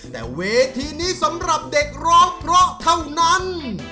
แต่เวทีนี้สำหรับเด็กร้องเพราะเท่านั้น